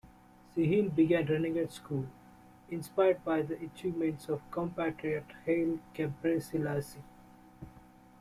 Sihine began running at school, inspired by the achievements of compatriot Haile Gebrselassie.